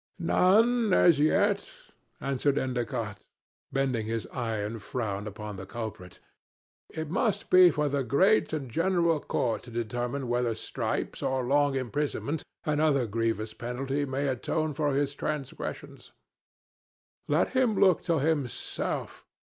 "None as yet," answered Endicott, bending his iron frown upon the culprit. "It must be for the Great and General Court to determine whether stripes and long imprisonment, and other grievous penalty, may atone for his transgressions. Let him look to himself.